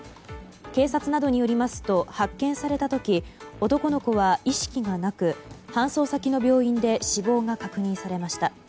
警察などによりますと発見された時男の子は意識がなく搬送先の病院で死亡が確認されました。